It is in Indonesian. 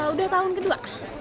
udah tahun kedua